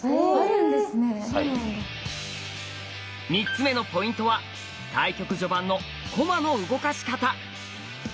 ３つ目のポイントは対局序盤の駒の動かし方。